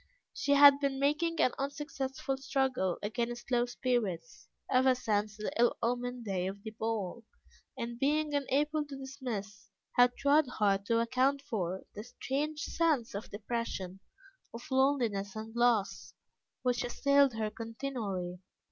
She had been making an unsuccessful struggle against low spirits, ever since the ill omened day of the ball, and being unable to dismiss, had tried hard to account for, the strange sense of depression, of loneliness, and loss, which assailed her continually.